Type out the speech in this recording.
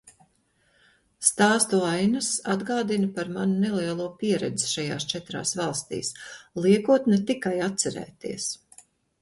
Stāstu ainas atgādina par manu nelielo pieredzi šajās četrās valstīs, liekot ne tikai atcerēties.